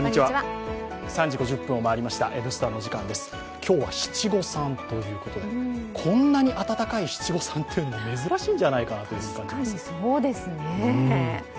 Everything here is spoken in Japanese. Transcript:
今日は七五三ということでこんなに暖かい七五三というのも珍しいんじゃないかなと。